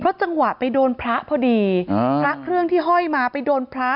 จังหวะไปโดนพระพอดีพระเครื่องที่ห้อยมาไปโดนพระ